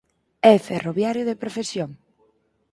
É ferroviario de profesión.